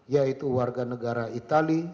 yaitu warganegara itali